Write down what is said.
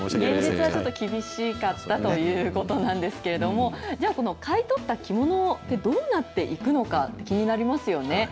現実はちょっと厳しかったということなんですけれども、じゃあこの買い取った着物ってどうなっていくのか、気になりますよね。